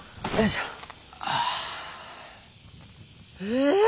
え！